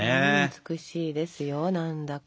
美しいですよ何だか。